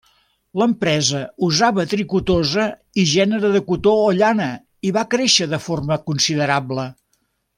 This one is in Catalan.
L'empresa usava tricotosa i gènere de cotó o llana, i va créixer de forma considerable.